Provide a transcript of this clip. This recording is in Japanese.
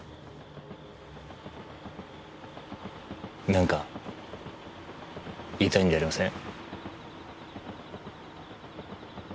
なんか言いたいんじゃありません？